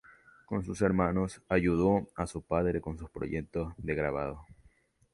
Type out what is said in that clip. Como sus hermanos, ayudó a su padre con sus proyectos de grabado.